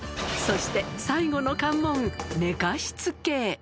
そして、最後の関門、寝かしつけ。